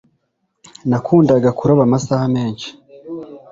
Nakundaga kuroba amasaha menshi.